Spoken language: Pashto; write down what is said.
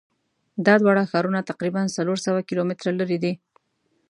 دا دواړه ښارونه تقریبآ څلور سوه کیلومتره لری دي.